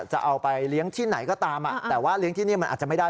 จะเอาไปเลี้ยงที่ไหนก็ตามแต่ว่าเลี้ยงที่นี่มันอาจจะไม่ได้